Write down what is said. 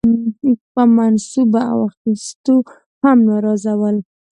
په منصبونو اخیستو هم ناراضه ول.